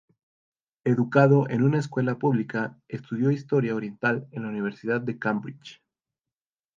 Educado en una escuela pública, estudió Historia Oriental en la universidad de Cambridge.